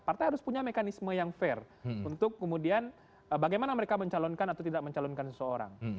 partai harus punya mekanisme yang fair untuk kemudian bagaimana mereka mencalonkan atau tidak mencalonkan seseorang